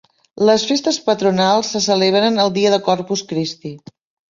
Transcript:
Les festes patronals se celebren el dia del Corpus Christi.